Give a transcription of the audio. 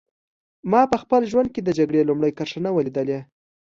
ما په خپل ژوند کې د جګړې لومړۍ کرښه نه وه لیدلې